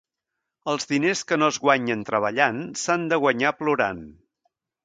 Els diners que no es guanyen treballant, s'han de guanyar plorant.